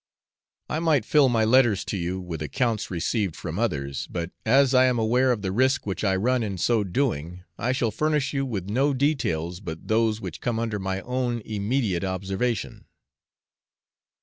I might fill my letters to you with accounts received from others, but as I am aware of the risk which I run in so doing, I shall furnish you with no details but those which come under my own immediate observation.